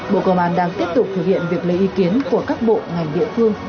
bộ công an đang tiếp tục thực hiện việc lấy ý kiến của các bộ ngành địa phương